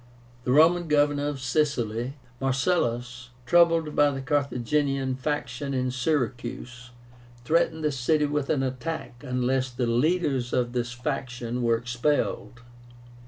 The Roman Governor of Sicily, MARCELLUS, troubled by the Carthaginian faction in Syracuse, threatened the city with an attack unless the leaders of this faction were expelled.